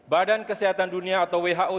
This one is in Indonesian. badan kesehatan dunia atau who